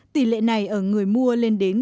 tỷ lệ này ở người mua lên đến chín mươi năm